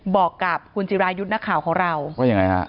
บอกกับคุณจิรายุทธ์นักข่าวของเราว่ายังไงฮะ